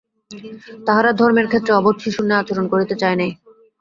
তাহারা ধর্মের ক্ষেত্রে অবোধ শিশুর ন্যায় আচরণ করিতে চায় নাই।